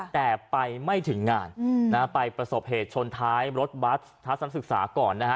แต่ไปไม่ถึงงานนะฮะไปประสบเหตุชนท้ายรถบัสทัศนศึกษาก่อนนะฮะ